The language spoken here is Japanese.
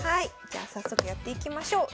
じゃあ早速やっていきましょう。